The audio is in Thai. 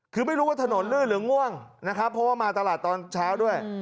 คือไม่รู้ว่าถนนลื่นหรือง่วงนะครับเพราะว่ามาตลาดตอนเช้าด้วย